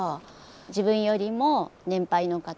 自分よりも年配の方